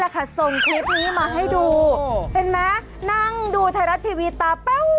คู่กัดสบัดข่าว